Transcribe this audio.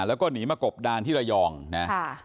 แล้วก็หนีมากบดานที่ระยองนะ